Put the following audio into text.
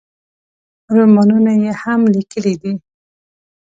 رومانونه یې هم لیکلي دي.